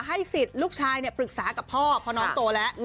ให้สิทธิ์ลูกชายปรึกษากับพ่อพอน้องโตแล้ว